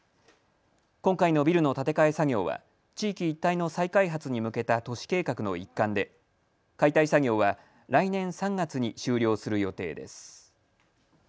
今回のビルの建て替え作業は地域一帯の再開発に向けた都市計画の一環で解体作業は来年３月に終了する予定です。